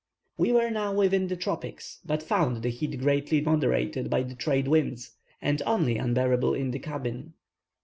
We were now within the tropics, but found the heat greatly moderated by the trade wind, and only unbearable in the cabin.